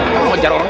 kau menjarah orang